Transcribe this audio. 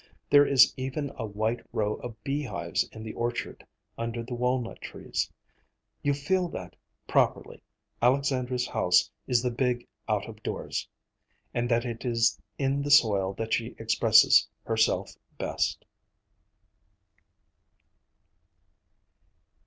There is even a white row of beehives in the orchard, under the walnut trees. You feel that, properly, Alexandra's house is the big out of doors, and that it is in the soil that she expresses herself best.